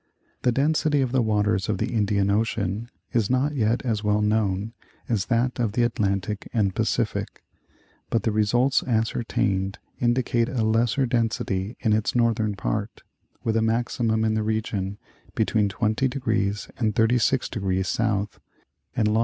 The density of the waters of the Indian Ocean is not yet as well known as that of the Atlantic and Pacific, but the results ascertained indicate a lesser density in its northern part, with a maximum in the region between 20° and 36° S. and long.